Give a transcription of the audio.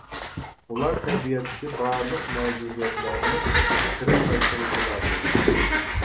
ئۇلار تەبىئەتتىكى بارلىق مەۋجۇدىيەتلەرنى قىرىپ تاشلىغۇچىلاردۇر.